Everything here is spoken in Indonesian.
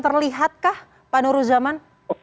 terlihat kah pak nur ruzaman